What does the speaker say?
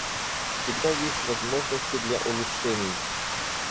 Всегда есть возможности для улучшений.